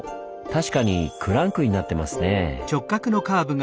確かにクランクになってますねぇ。